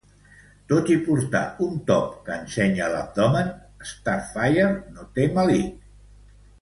Tot i portar un top que ensenya l'abdomen, Starfire no té melic.